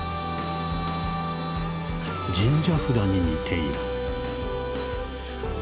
「神社札に似ている。」。